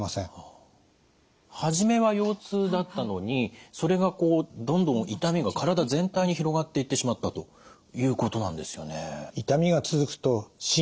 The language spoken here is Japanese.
初めは腰痛だったのにそれがこうどんどん痛みが体全体に広がっていってしまったということなんですよね。